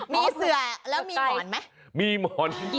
มีเสือแล้วมีหมอนไหมมีหมอน